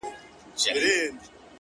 لکه چي مخکي وې هغسي خو جانانه نه يې!